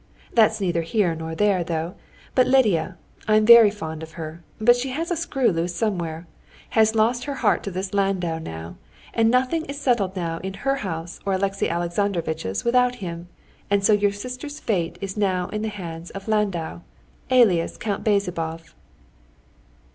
That's neither here nor there, though; but Lidia—I'm very fond of her, but she has a screw loose somewhere—has lost her heart to this Landau now, and nothing is settled now in her house or Alexey Alexandrovitch's without him, and so your sister's fate is now in the hands of Landau, alias Count Bezzubov."